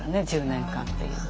１０年間っていう。